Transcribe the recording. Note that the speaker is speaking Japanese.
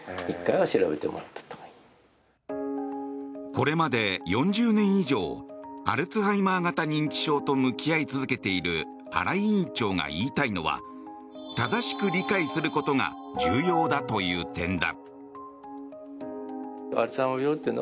これまで４０年以上アルツハイマー型認知症と向き合い続けている新井院長が言いたいのは正しく理解することが重要だという点だ。